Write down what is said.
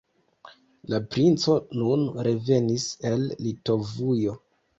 La princo nun revenis el Litovujo.